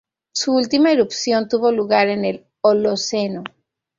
Su última erupción tuvo lugar en el Holoceno.